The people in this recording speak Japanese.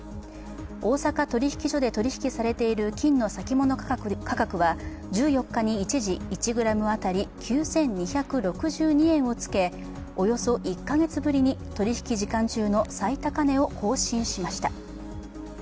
大阪取引所で取引されている金の先物価格は１４日に一時、１ｇ当たり９２６２円をつけ、およそ１か月ぶりに取引時間中の最高値を更新しました。